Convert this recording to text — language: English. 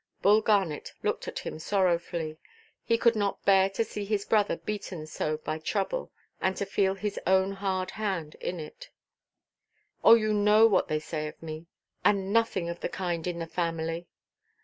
Bull Garnet looked at him sorrowfully. He could not bear to see his brother beaten so by trouble, and to feel his own hard hand in it. "Donʼt you know what they say of me? Oh, you know what they say of me; and nothing of the kind in the family!"